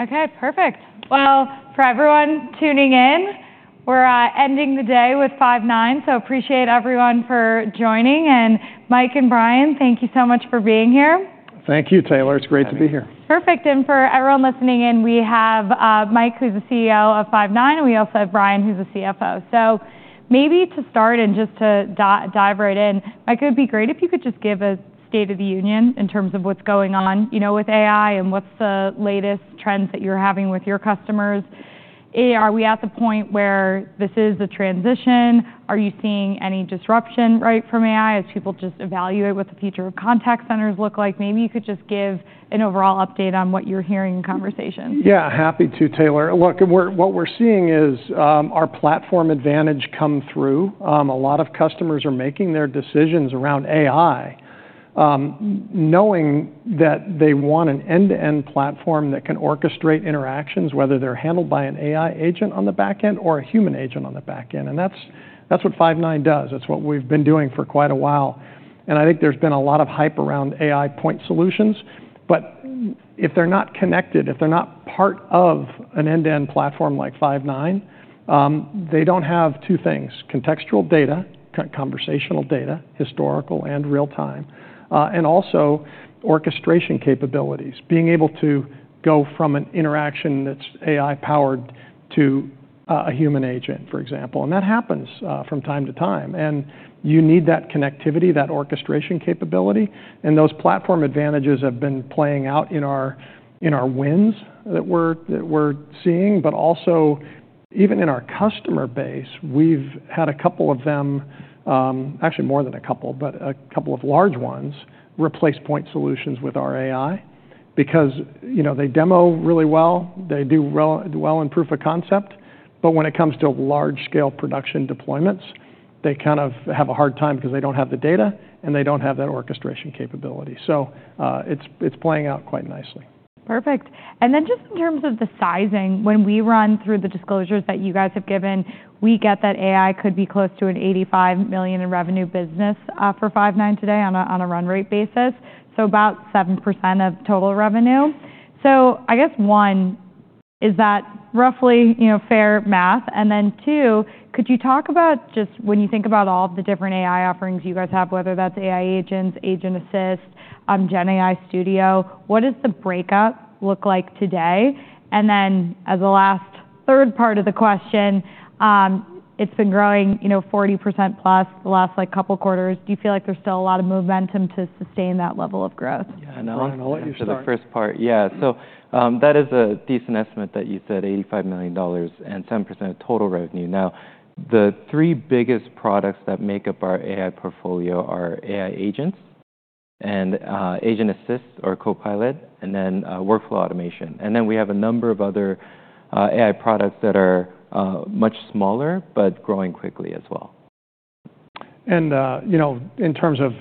Okay, perfect. Well, for everyone tuning in, we're ending the day with Five9, so appreciate everyone for joining. And Mike and Bryan, thank you so much for being here. Thank you, Taylor. It's great to be here. Perfect. And for everyone listening in, we have Mike, who's the CEO of Five9, and we also have Bryan, who's the CFO. So maybe to start and just to dive right in, Mike, it would be great if you could just give a State of the Union in terms of what's going on with AI and what's the latest trends that you're having with your customers. Are we at the point where this is a transition? Are you seeing any disruption from AI as people just evaluate what the future of contact centers looks like? Maybe you could just give an overall update on what you're hearing in conversation. Yeah, happy to, Taylor. Look, what we're seeing is our platform advantage come through. A lot of customers are making their decisions around AI, knowing that they want an end-to-end platform that can orchestrate interactions, whether they're handled by an AI agent on the back end or a human agent on the back end. And that's what Five9 does. That's what we've been doing for quite a while. And I think there's been a lot of hype around AI point solutions, but if they're not connected, if they're not part of an end-to-end platform like Five9, they don't have two things: contextual data, conversational data, historical and real-time, and also orchestration capabilities, being able to go from an interaction that's AI-powered to a human agent, for example. And that happens from time to time. And you need that connectivity, that orchestration capability. And those platform advantages have been playing out in our wins that we're seeing. But also, even in our customer base, we've had a couple of them, actually more than a couple, but a couple of large ones replace point solutions with our AI because they demo really well, they do well in proof of concept. But when it comes to large-scale production deployments, they kind of have a hard time because they don't have the data and they don't have that orchestration capability. So it's playing out quite nicely. Perfect. And then just in terms of the sizing, when we run through the disclosures that you guys have given, we get that AI could be close to an $85 million in revenue business for Five9 today on a run rate basis, so about 7% of total revenue. So I guess, one, is that roughly fair math? And then two, could you talk about just when you think about all the different AI offerings you guys have, whether that's AI agents, Agent Assist, Gen AI Studio, what does the breakdown look like today? And then as a last third part of the question, it's been growing 40%+ the last couple of quarters. Do you feel like there's still a lot of momentum to sustain that level of growth? Yeah, and I'll let you start. For the first part, yeah. So that is a decent estimate that you said, $85 million and 7% of total revenue. Now, the three biggest products that make up our AI portfolio are AI Agents, and Agent Assist or Copilot, and then Workflow Automation. And then we have a number of other AI products that are much smaller but growing quickly as well. And in terms of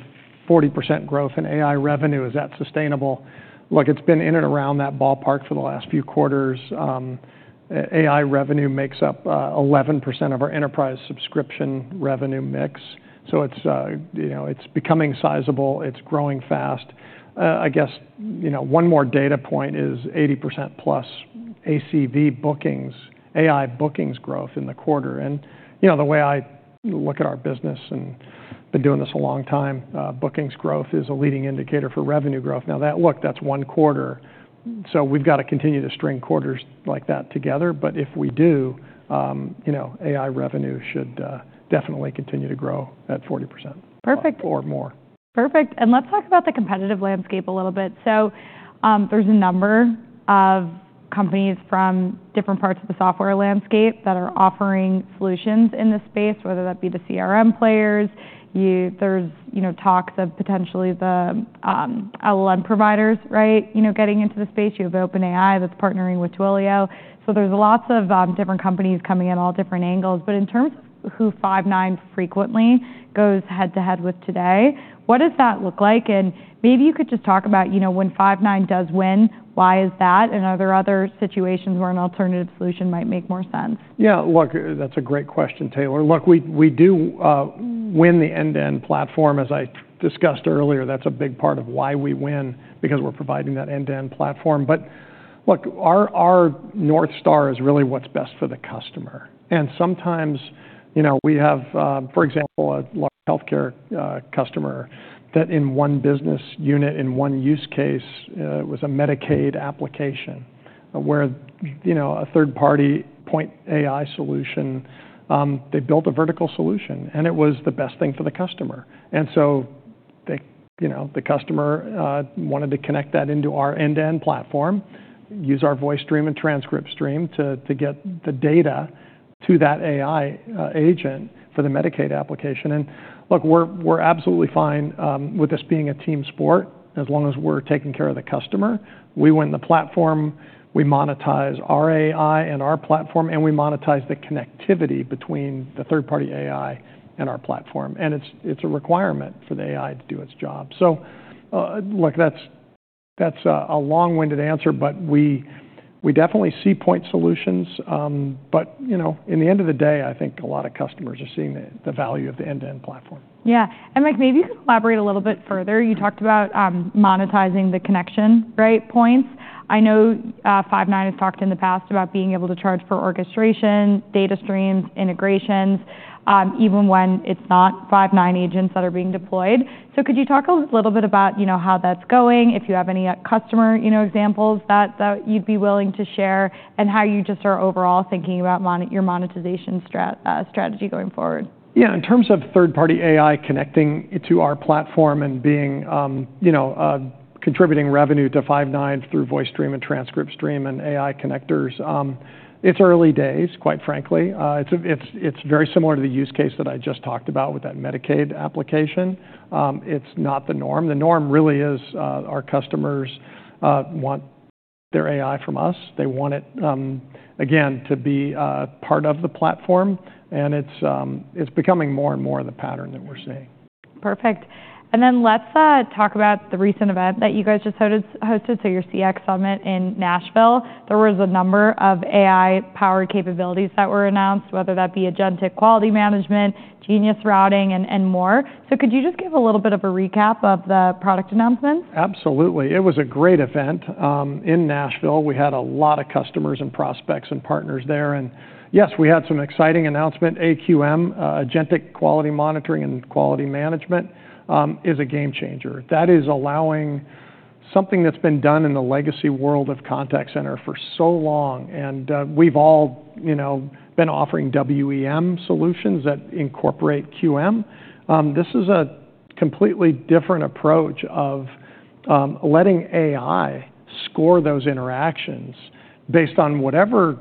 40% growth in AI revenue, is that sustainable? Look, it's been in and around that ballpark for the last few quarters. AI revenue makes up 11% of our enterprise subscription revenue mix. So it's becoming sizable. It's growing fast. I guess one more data point is 80%+ AI bookings growth in the quarter. And the way I look at our business, and I've been doing this a long time, bookings growth is a leading indicator for revenue growth. Now, that, look, that's one quarter. So we've got to continue to string quarters like that together. But if we do, AI revenue should definitely continue to grow at 40% or more. Perfect. And let's talk about the competitive landscape a little bit. So there's a number of companies from different parts of the software landscape that are offering solutions in this space, whether that be the CRM players. There's talks of potentially the LLM providers getting into the space. You have OpenAI that's partnering with Twilio. So there's lots of different companies coming in all different angles. But in terms of who Five9 frequently goes head-to-head with today, what does that look like? And maybe you could just talk about when Five9 does win, why is that, and are there other situations where an alternative solution might make more sense? Yeah, look, that's a great question, Taylor. Look, we do win the end-to-end platform. As I discussed earlier, that's a big part of why we win because we're providing that end-to-end platform. Our North Star is really what's best for the customer. Sometimes we have, for example, a large healthcare customer that in one business unit, in one use case, it was a Medicaid application where a third-party point AI solution, they built a vertical solution, and it was the best thing for the customer. So the customer wanted to connect that into our end-to-end platform, use our VoiceStream and TranscriptStream to get the data to that AI agent for the Medicaid application. Look, we're absolutely fine with this being a team sport as long as we're taking care of the customer. We win the platform. We monetize our AI and our platform, and we monetize the connectivity between the third-party AI and our platform, and it's a requirement for the AI to do its job, so look, that's a long-winded answer, but we definitely see point solutions, but in the end of the day, I think a lot of customers are seeing the value of the end-to-end platform. Yeah. And Mike, maybe you could elaborate a little bit further. You talked about monetizing the connection, right, points. I know Five9 has talked in the past about being able to charge for orchestration, data streams, integrations, even when it's not Five9 agents that are being deployed. So could you talk a little bit about how that's going, if you have any customer examples that you'd be willing to share, and how you just are overall thinking about your monetization strategy going forward? Yeah, in terms of third-party AI connecting to our platform and contributing revenue to Five9 through VoiceStream and TranscriptStream and AI connectors, it's early days, quite frankly. It's very similar to the use case that I just talked about with that Medicaid application. It's not the norm. The norm really is our customers want their AI from us. They want it, again, to be part of the platform, and it's becoming more and more the pattern that we're seeing. Perfect. And then let's talk about the recent event that you guys just hosted, so your CX Summit in Nashville. There was a number of AI-powered capabilities that were announced, whether that be Agentic Quality Management, Genius routing, and more. So could you just give a little bit of a recap of the product announcements? Absolutely. It was a great event in Nashville. We had a lot of customers and prospects and partners there. And yes, we had some exciting announcement. AQM, Agentic Quality Management, is a game changer. That is allowing something that's been done in the legacy world of contact center for so long. And we've all been offering WEM solutions that incorporate QM. This is a completely different approach of letting AI score those interactions based on whatever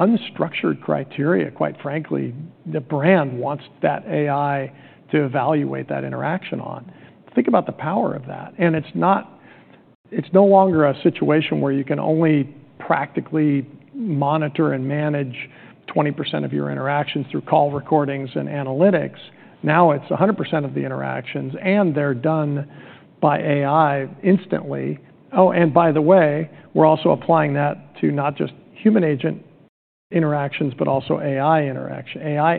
unstructured criteria, quite frankly, the brand wants that AI to evaluate that interaction on. Think about the power of that. And it's no longer a situation where you can only practically monitor and manage 20% of your interactions through call recordings and analytics. Now it's 100% of the interactions, and they're done by AI instantly. Oh, and by the way, we're also applying that to not just human agent interactions, but also AI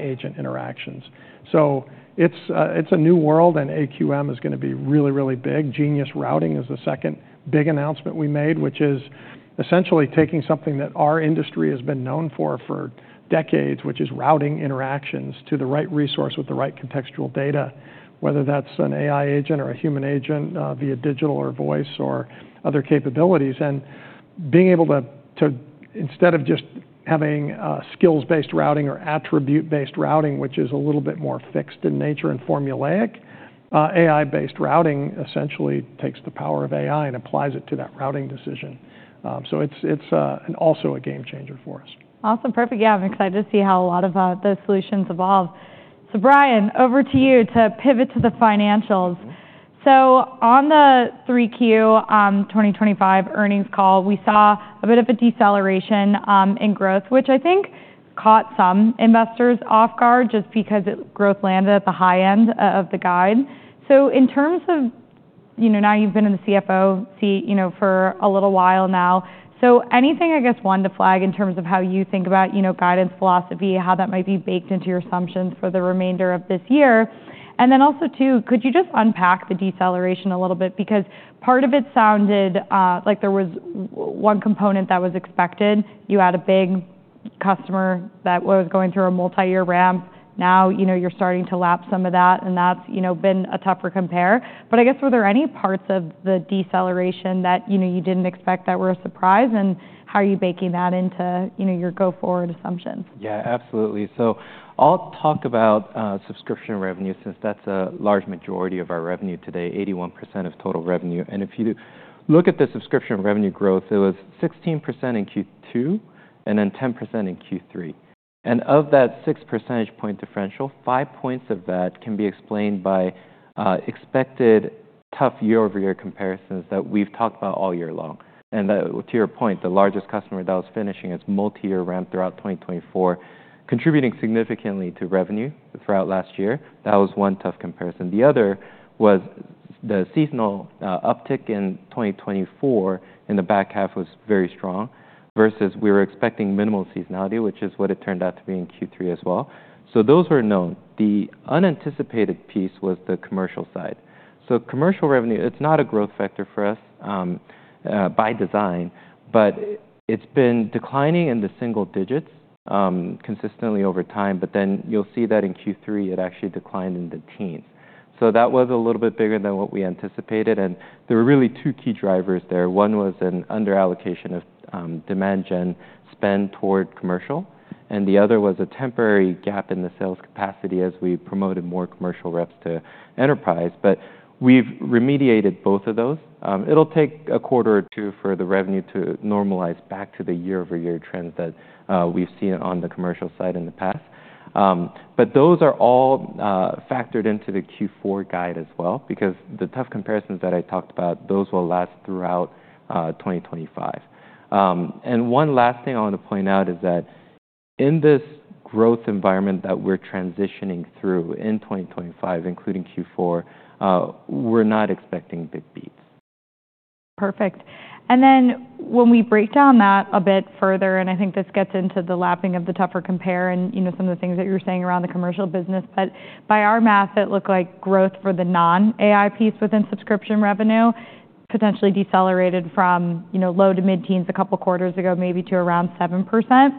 agent interactions. So it's a new world, and AQM is going to be really, really big. Genius routing is the second big announcement we made, which is essentially taking something that our industry has been known for for decades, which is routing interactions to the right resource with the right contextual data, whether that's an AI agent or a human agent via digital or voice or other capabilities, and being able to, instead of just having skills-based routing or attribute-based routing, which is a little bit more fixed in nature and formulaic, AI-based routing essentially takes the power of AI and applies it to that routing decision. So it's also a game changer for us. Awesome. Perfect. Yeah, I'm excited to see how a lot of those solutions evolve. So Bryan, over to you to pivot to the financials. So on the 3Q 2025 earnings call, we saw a bit of a deceleration in growth, which I think caught some investors off guard just because growth landed at the high end of the guide. So in terms of now you've been in the CFO seat for a little while now, so anything I guess one to flag in terms of how you think about guidance philosophy, how that might be baked into your assumptions for the remainder of this year? And then also too, could you just unpack the deceleration a little bit? Because part of it sounded like there was one component that was expected. You had a big customer that was going through a multi-year ramp. Now you're starting to lap some of that, and that's been a tougher compare. But I guess, were there any parts of the deceleration that you didn't expect that were a surprise? And how are you baking that into your go-forward assumptions? Yeah, absolutely. So I'll talk about subscription revenue since that's a large majority of our revenue today, 81% of total revenue. And if you look at the subscription revenue growth, it was 16% in Q2 and then 10% in Q3. And of that 6 percentage point differential, 5 points of that can be explained by expected tough year-over-year comparisons that we've talked about all year long. And to your point, the largest customer that was finishing its multi-year ramp throughout 2024, contributing significantly to revenue throughout last year, that was one tough comparison. The other was the seasonal uptick in 2024 in the back half was very strong versus we were expecting minimal seasonality, which is what it turned out to be in Q3 as well. So those were known. The unanticipated piece was the commercial side. Commercial revenue, it's not a growth factor for us by design, but it's been declining in the single digits consistently over time. But then you'll see that in Q3, it actually declined in the teens. So that was a little bit bigger than what we anticipated. And there were really two key drivers there. One was an under-allocation of demand gen spend toward commercial, and the other was a temporary gap in the sales capacity as we promoted more commercial reps to enterprise. But we've remediated both of those. It'll take a quarter or two for the revenue to normalize back to the year-over-year trends that we've seen on the commercial side in the past. But those are all factored into the Q4 guide as well because the tough comparisons that I talked about, those will last throughout 2025. One last thing I want to point out is that in this growth environment that we're transitioning through in 2025, including Q4, we're not expecting big beats. Perfect. And then when we break down that a bit further, and I think this gets into the lapping of the tougher compare and some of the things that you're saying around the commercial business, but by our math, it looked like growth for the non-AI piece within subscription revenue potentially decelerated from low- to mid-teens a couple of quarters ago, maybe to around 7%.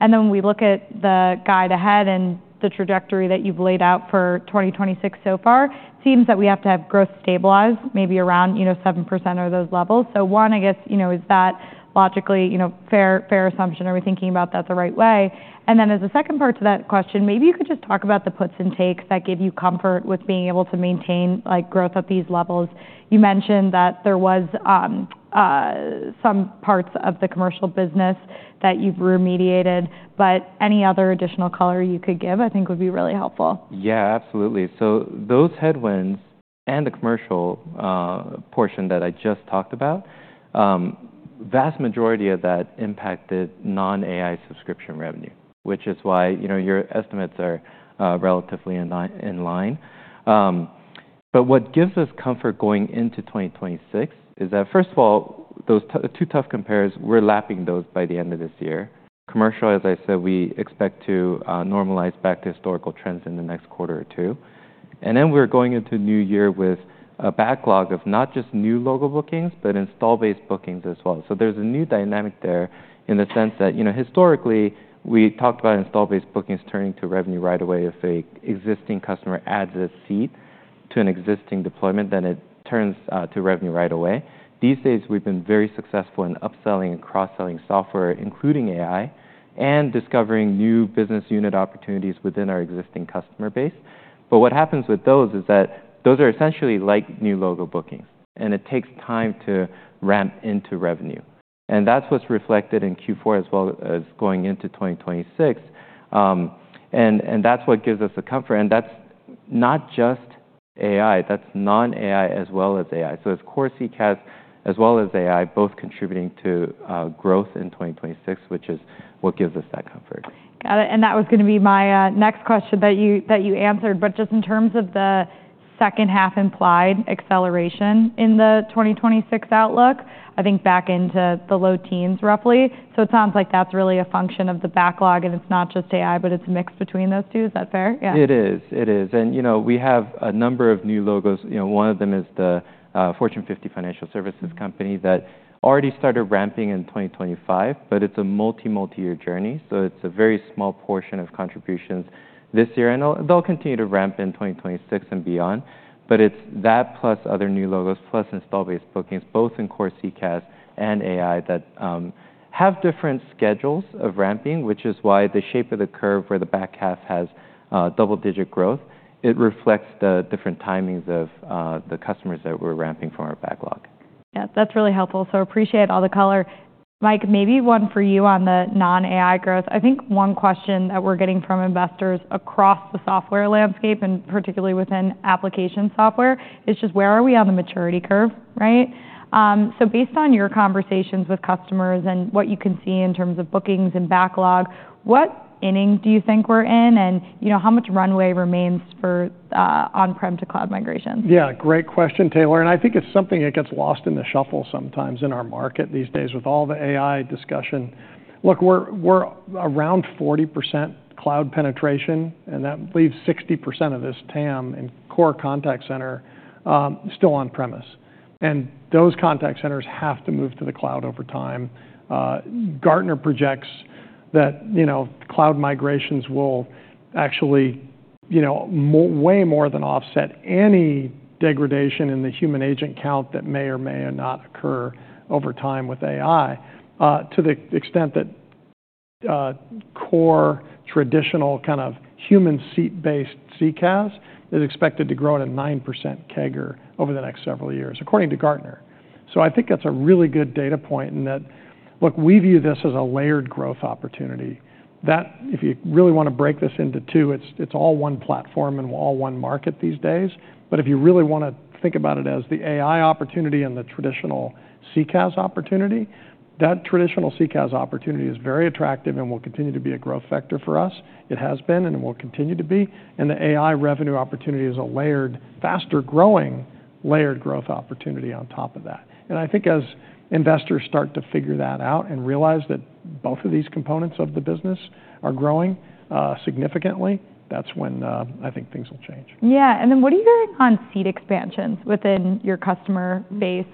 And then when we look at the guide ahead and the trajectory that you've laid out for 2026 so far, it seems that we have to have growth stabilize maybe around 7% or those levels. So one, I guess, is that logically fair assumption? Are we thinking about that the right way? And then as a second part to that question, maybe you could just talk about the puts and takes that give you comfort with being able to maintain growth at these levels. You mentioned that there were some parts of the commercial business that you've remediated, but any other additional color you could give, I think, would be really helpful. Yeah, absolutely. So those headwinds and the commercial portion that I just talked about, vast majority of that impacted non-AI subscription revenue, which is why your estimates are relatively in line. But what gives us comfort going into 2026 is that, first of all, those two tough compares, we're lapping those by the end of this year. Commercial, as I said, we expect to normalize back to historical trends in the next quarter or two. And then we're going into a new year with a backlog of not just new logo bookings, but install base bookings as well. So there's a new dynamic there in the sense that historically, we talked about install base bookings turning to revenue right away. If an existing customer adds a seat to an existing deployment, then it turns to revenue right away. These days, we've been very successful in upselling and cross-selling software, including AI, and discovering new business unit opportunities within our existing customer base. But what happens with those is that those are essentially like new logo bookings, and it takes time to ramp into revenue. And that's what's reflected in Q4 as well as going into 2026. And that's what gives us the comfort. And that's not just AI. That's non-AI as well as AI. So it's core CCaaS as well as AI, both contributing to growth in 2026, which is what gives us that comfort. Got it. And that was going to be my next question that you answered. But just in terms of the second half implied acceleration in the 2026 outlook, I think back into the low teens roughly. So it sounds like that's really a function of the backlog, and it's not just AI, but it's a mix between those two. Is that fair? Yeah. It is. It is. And we have a number of new logos. One of them is the Fortune 50 financial services company that already started ramping in 2025, but it's a multi-year journey. So it's a very small portion of contributions this year. And they'll continue to ramp in 2026 and beyond. But it's that plus other new logos plus installed-base bookings, both in core CCaaS and AI that have different schedules of ramping, which is why the shape of the curve where the back half has double-digit growth, it reflects the different timings of the customers that we're ramping from our backlog. Yeah, that's really helpful. So appreciate all the color. Mike, maybe one for you on the non-AI growth. I think one question that we're getting from investors across the software landscape, and particularly within application software, is just where are we on the maturity curve, right? So based on your conversations with customers and what you can see in terms of bookings and backlog, what inning do you think we're in, and how much runway remains for on-prem to cloud migrations? Yeah, great question, Taylor. I think it's something that gets lost in the shuffle sometimes in our market these days with all the AI discussion. Look, we're around 40% cloud penetration, and that leaves 60% of this TAM and core contact center still on-premise. Those contact centers have to move to the cloud over time. Gartner projects that cloud migrations will actually way more than offset any degradation in the human agent count that may or may not occur over time with AI, to the extent that core traditional kind of human seat-based CCaaS is expected to grow at a 9% CAGR over the next several years, according to Gartner. So I think that's a really good data point in that. Look, we view this as a layered growth opportunity. If you really want to break this into two, it's all one platform and all one market these days. But if you really want to think about it as the AI opportunity and the traditional CCaaS opportunity, that traditional CCaaS opportunity is very attractive and will continue to be a growth factor for us. It has been and will continue to be. And the AI revenue opportunity is a layered, faster-growing layered growth opportunity on top of that. And I think as investors start to figure that out and realize that both of these components of the business are growing significantly, that's when I think things will change. Yeah. And then what are you hearing on seat expansions within your customer base?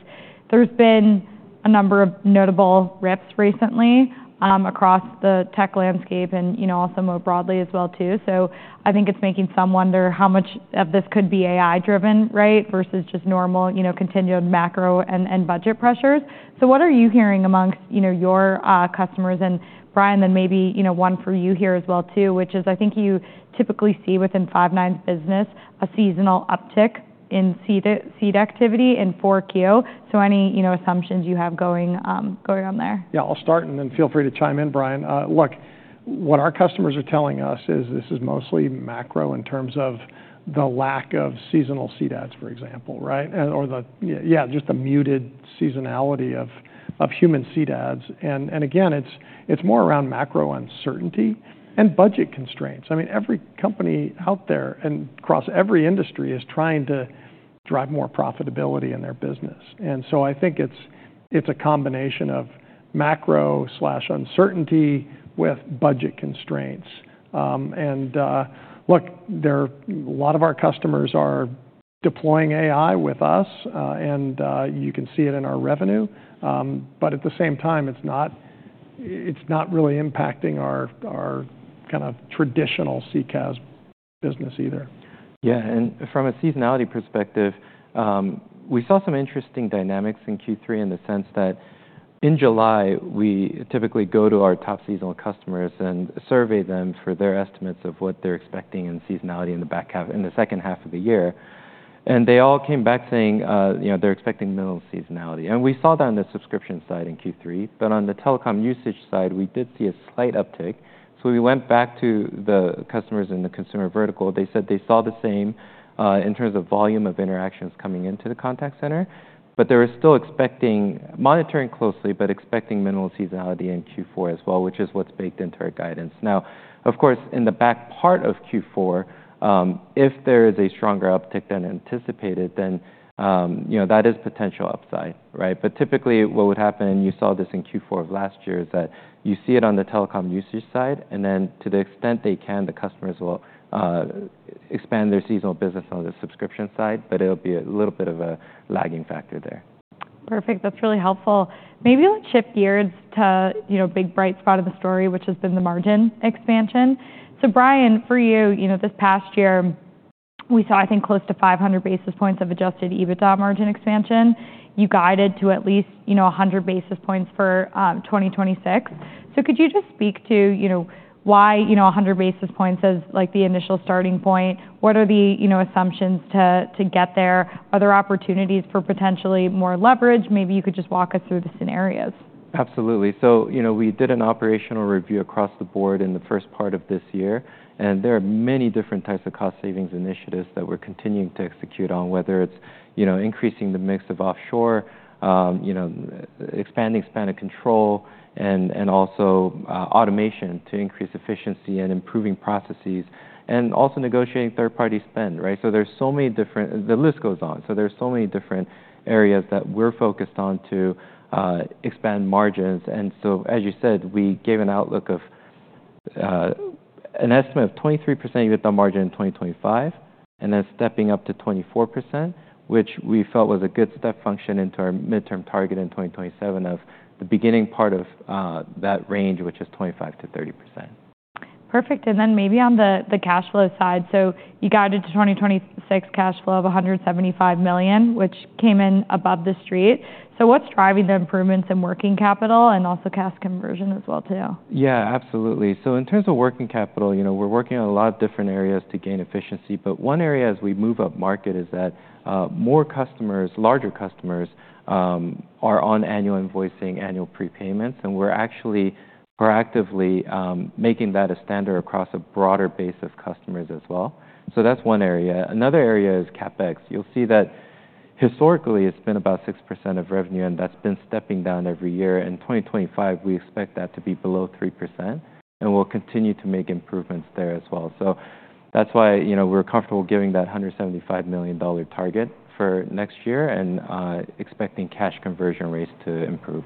There's been a number of notable shifts recently across the tech landscape and also more broadly as well too. So I think it's making some wonder how much of this could be AI-driven, right, versus just normal continued macro and budget pressures. So what are you hearing among your customers? And Bryan, then maybe one for you here as well too, which is I think you typically see within Five9's business a seasonal uptick in seat activity in 4Q. So any assumptions you have going on there? Yeah, I'll start and then feel free to chime in, Bryan. Look, what our customers are telling us is this is mostly macro in terms of the lack of seasonal seat adds, for example, right? Or the, yeah, just the muted seasonality of human seat adds. And again, it's more around macro uncertainty and budget constraints. I mean, every company out there and across every industry is trying to drive more profitability in their business. And so I think it's a combination of macro uncertainty with budget constraints. And look, a lot of our customers are deploying AI with us, and you can see it in our revenue. But at the same time, it's not really impacting our kind of traditional CCaaS business either. Yeah. And from a seasonality perspective, we saw some interesting dynamics in Q3 in the sense that in July, we typically go to our top seasonal customers and survey them for their estimates of what they're expecting in seasonality in the second half of the year. And they all came back saying they're expecting minimal seasonality. And we saw that on the subscription side in Q3. But on the telecom usage side, we did see a slight uptick. So we went back to the customers in the consumer vertical. They said they saw the same in terms of volume of interactions coming into the contact center. But they were still monitoring closely, but expecting minimal seasonality in Q4 as well, which is what's baked into our guidance. Now, of course, in the back part of Q4, if there is a stronger uptick than anticipated, then that is potential upside, right? But typically what would happen, and you saw this in Q4 of last year, is that you see it on the telecom usage side, and then to the extent they can, the customers will expand their seasonal business on the subscription side, but it'll be a little bit of a lagging factor there. Perfect. That's really helpful. Maybe we'll shift gears to a big bright spot of the story, which has been the margin expansion. So Bryan, for you, this past year, we saw, I think, close to 500 basis points of Adjusted EBITDA margin expansion. You guided to at least 100 basis points for 2026. So could you just speak to why 100 basis points as the initial starting point? What are the assumptions to get there? Are there opportunities for potentially more leverage? Maybe you could just walk us through the scenarios. Absolutely. So we did an operational review across the board in the first part of this year. And there are many different types of cost savings initiatives that we're continuing to execute on, whether it's increasing the mix of offshore, expanding span of control, and also automation to increase efficiency and improving processes, and also negotiating third-party spend, right? So there's so many different, the list goes on. So there's so many different areas that we're focused on to expand margins. And so, as you said, we gave an outlook of an estimate of 23% EBITDA margin in 2025, and then stepping up to 24%, which we felt was a good step function into our midterm target in 2027 of the beginning part of that range, which is 25%-30%. Perfect. And then maybe on the cash flow side, so you guided to 2026 cash flow of $175 million, which came in above the street. So what's driving the improvements in working capital and also cash conversion as well too? Yeah, absolutely. So in terms of working capital, we're working on a lot of different areas to gain efficiency. But one area as we move up market is that more customers, larger customers, are on annual invoicing, annual prepayments, and we're actually proactively making that a standard across a broader base of customers as well. So that's one area. Another area is CapEx. You'll see that historically, it's been about 6% of revenue, and that's been stepping down every year. In 2025, we expect that to be below 3%, and we'll continue to make improvements there as well. So that's why we're comfortable giving that $175 million target for next year and expecting cash conversion rates to improve.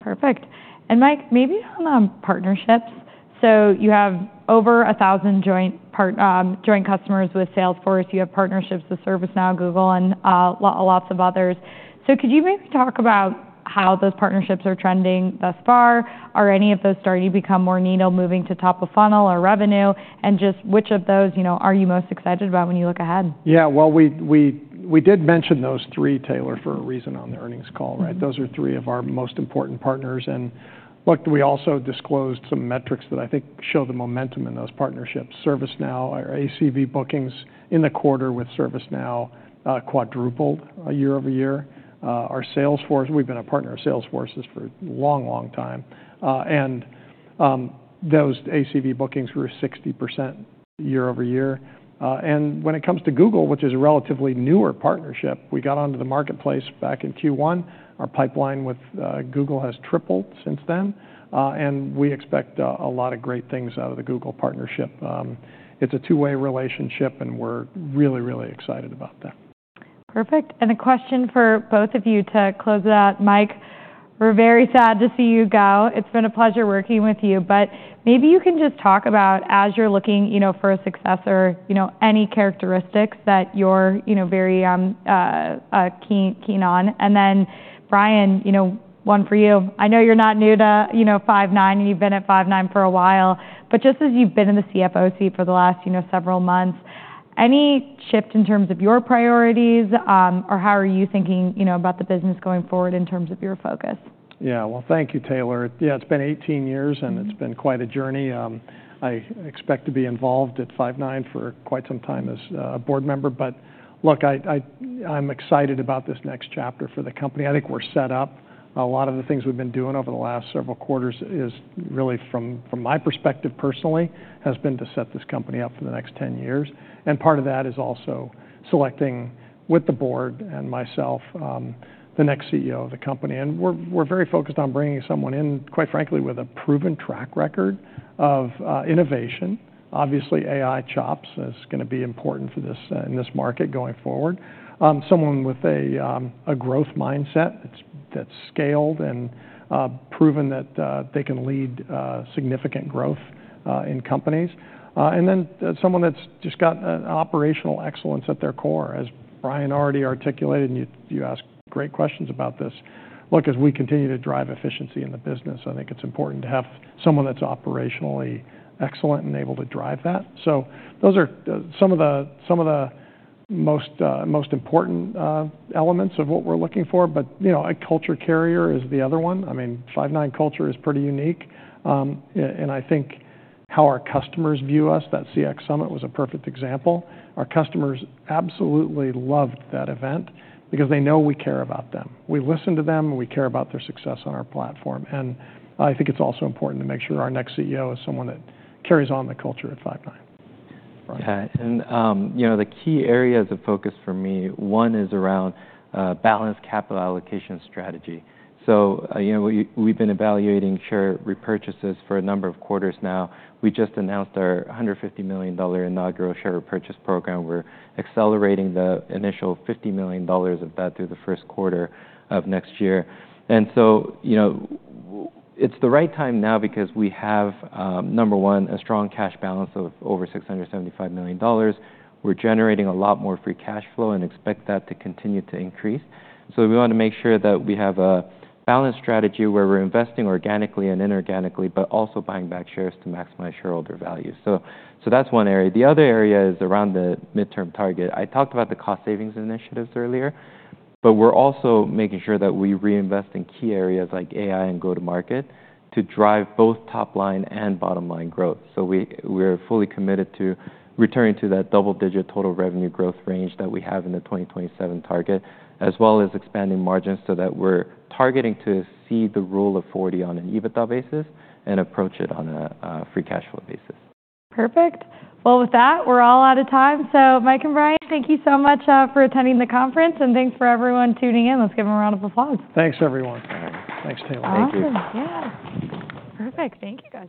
Perfect. And Mike, maybe on partnerships. So you have over 1,000 joint customers with Salesforce. You have partnerships with ServiceNow, Google, and lots of others. So could you maybe talk about how those partnerships are trending thus far? Are any of those starting to become more needle-moving to top-of-funnel or revenue? And just which of those are you most excited about when you look ahead? Yeah, well, we did mention those three, Taylor, for a reason on the earnings call, right? Those are three of our most important partners, and look, we also disclosed some metrics that I think show the momentum in those partnerships. ServiceNow, our ACV bookings in the quarter with ServiceNow quadrupled year-over-year. Our Salesforce, we've been a partner of Salesforce for a long, long time, and those ACV bookings grew 60% year-over-year. And when it comes to Google, which is a relatively newer partnership, we got onto the marketplace back in Q1. Our pipeline with Google has tripled since then, and we expect a lot of great things out of the Google partnership. It's a two-way relationship, and we're really, really excited about that. Perfect. And a question for both of you to close it out. Mike, we're very sad to see you go. It's been a pleasure working with you. But maybe you can just talk about, as you're looking for a successor, any characteristics that you're very keen on. And then Bryan, one for you. I know you're not new to Five9, and you've been at Five9 for a while. But just as you've been in the CFO seat for the last several months, any shift in terms of your priorities, or how are you thinking about the business going forward in terms of your focus? Yeah, well, thank you, Taylor. Yeah, it's been 18 years, and it's been quite a journey. I expect to be involved at Five9 for quite some time as a board member. But look, I'm excited about this next chapter for the company. I think we're set up. A lot of the things we've been doing over the last several quarters is really, from my perspective personally, has been to set this company up for the next 10 years. And part of that is also selecting, with the board and myself, the next CEO of the company. And we're very focused on bringing someone in, quite frankly, with a proven track record of innovation. Obviously, AI chops is going to be important in this market going forward. Someone with a growth mindset that's scaled and proven that they can lead significant growth in companies. And then someone that's just got operational excellence at their core. As Bryan already articulated, and you asked great questions about this. Look, as we continue to drive efficiency in the business, I think it's important to have someone that's operationally excellent and able to drive that. So those are some of the most important elements of what we're looking for. But a culture carrier is the other one. I mean, Five9 culture is pretty unique. And I think how our customers view us, that CX Summit was a perfect example. Our customers absolutely loved that event because they know we care about them. We listen to them, and we care about their success on our platform. And I think it's also important to make sure our next CEO is someone that carries on the culture at Five9. The key areas of focus for me, one is around balanced capital allocation strategy. We've been evaluating share repurchases for a number of quarters now. We just announced our $150 million inaugural share repurchase program. We're accelerating the initial $50 million of that through the first quarter of next year. It's the right time now because we have, number one, a strong cash balance of over $675 million. We're generating a lot more Free Cash Flow and expect that to continue to increase. We want to make sure that we have a balanced strategy where we're investing organically and inorganically, but also buying back shares to maximize shareholder value. That's one area. The other area is around the midterm target. I talked about the cost savings initiatives earlier, but we're also making sure that we reinvest in key areas like AI and go-to-market to drive both top-line and bottom-line growth, so we're fully committed to returning to that double-digit total revenue growth range that we have in the 2027 target, as well as expanding margins so that we're targeting to see the Rule of 40 on an EBITDA basis and approach it on a Free Cash Flow basis. Perfect. Well, with that, we're all out of time. So Mike and Bryan, thank you so much for attending the conference, and thanks for everyone tuning in. Let's give them a round of applause. Thanks, everyone. Thanks, Taylor. Thank you. Awesome. Yeah. Perfect. Thank you guys.